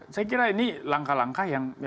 saya kira ini langkah langkah yang